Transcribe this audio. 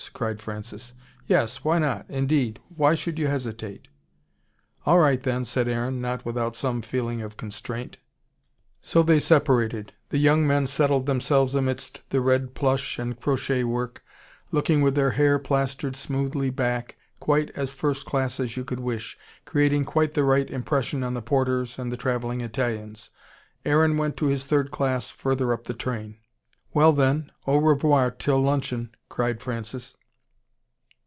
cried Francis. "Yes, why not, indeed! Why should you hesitate?" "All right, then," said Aaron, not without some feeling of constraint. So they separated. The young men settled themselves amidst the red plush and crochet work, looking, with their hair plastered smoothly back, quite as first class as you could wish, creating quite the right impression on the porters and the travelling Italians. Aaron went to his third class, further up the train. "Well, then, au revoir, till luncheon," cried Francis.